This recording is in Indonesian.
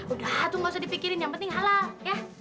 udah aduh gak usah dipikirin yang penting halal ya